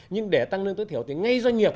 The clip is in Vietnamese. nhưng để tăng lương tối thiểu thì ngay doanh nghiệp